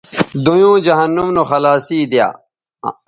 دویوں جہنم نو خلاصی دی یا